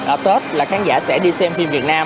ở tết là khán giả sẽ đi xem phim việt nam